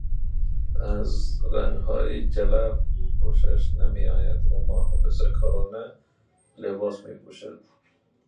از رنگهای جلف خوشش نمیآید و محافظهکارانه لباس میپوشد.